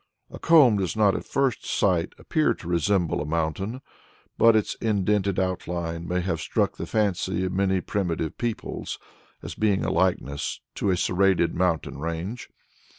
A comb does not at first sight appear to resemble a mountain, but its indented outline may have struck the fancy of many primitive peoples as being a likeness to a serrated mountain range.